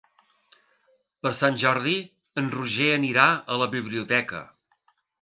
Per Sant Jordi en Roger anirà a la biblioteca.